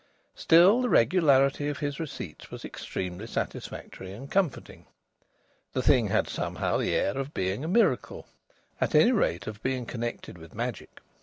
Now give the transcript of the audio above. Still, the regularity of his receipts was extremely satisfactory and comforting. The thing had somehow the air of being a miracle; at any rate of being connected with magic.